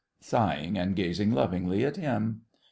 (Sighing and gazing lovingly at him.)